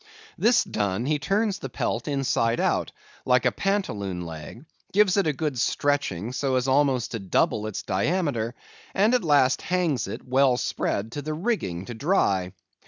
This done he turns the pelt inside out, like a pantaloon leg; gives it a good stretching, so as almost to double its diameter; and at last hangs it, well spread, in the rigging, to dry.